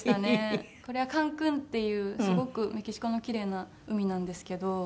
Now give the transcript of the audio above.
これはカンクンっていうすごくメキシコのきれいな海なんですけど。